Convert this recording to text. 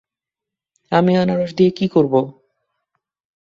আমি আনারস দিয়ে কী করব?